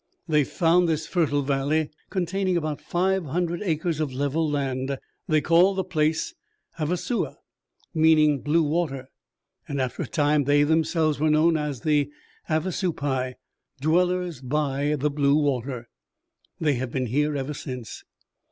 "They found this fertile valley, containing about five hundred acres of level land. They called the place Ha va sua, meaning 'Blue Water,' and after a time they themselves were known, as Havasupai 'Dwellers By the Blue water'. They have been here ever since."